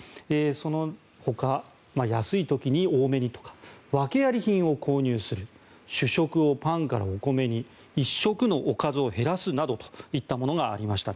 そのほか、安い時に多めにとか訳あり品を購入する主食をパンからお米に１食のおかずを減らすなどといったものがありました。